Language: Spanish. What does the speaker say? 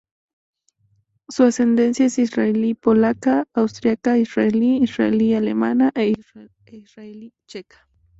Su ascendencia es israelí-polaca, austriaca-israelí, israelí-alemana e israelí-checa.